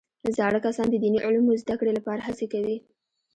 زاړه کسان د دیني علومو زده کړې لپاره هڅې کوي